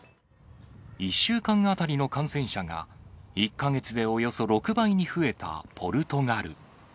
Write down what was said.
１週間当たりの感染者が１か月でおよそ６倍に増えたポルトガル。